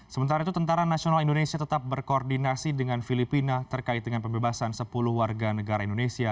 sementara itu tni tetap berkoordinasi dengan filipina terkait dengan pembebasan sepuluh warga negara indonesia